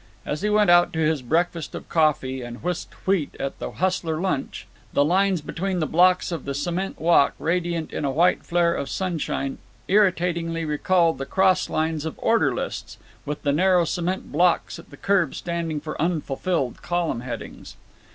As he went out to his breakfast of coffee and whisked wheat at the Hustler Lunch the lines between the blocks of the cement walk, radiant in a white flare of sunshine, irritatingly recalled the cross lines of order lists, with the narrow cement blocks at the curb standing for unfilled column headings.